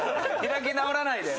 開き直らないで！